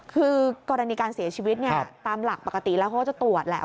คือกรณีการเสียชีวิตเนี่ยตามหลักปกติแล้วเขาก็จะตรวจแหละ